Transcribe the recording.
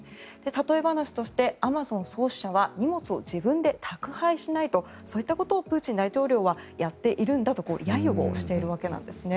例え話としてアマゾン創始者は荷物を自分で宅配しないとそういったことをプーチン大統領はやっているんだと揶揄しているんですね。